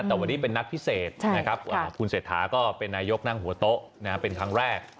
แต่วันนี้เป็นนัดพิเศษนะครับคุณเศรษฐาก็เป็นนายกนั่งหัวโต๊ะเป็นครั้งแรก